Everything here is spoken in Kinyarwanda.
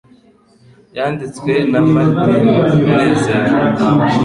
Yanditswe na Martin Munezero